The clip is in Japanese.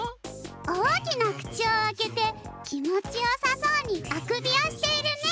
おおきなくちをあけてきもちよさそうにあくびをしているね。